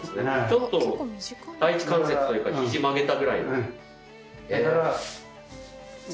ちょっと第１関節というか肘曲げたぐらい。